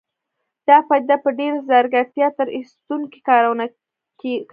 دا پديده په ډېره ځيرکتيا تېر ايستونکي کارونه کوي.